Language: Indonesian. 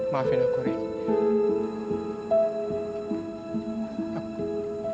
maafin aku rick